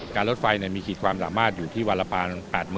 รถไฟมีขีดความสามารถอยู่ที่วันละประมาณ๘๐๐๐